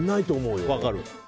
分かる。